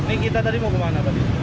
ini kita tadi mau ke mana tadi